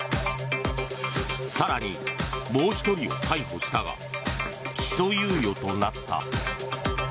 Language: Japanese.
更に、もう１人を逮捕したが起訴猶予となった。